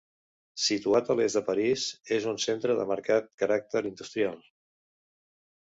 Situat a l'est de París, és un centre de marcat caràcter industrial.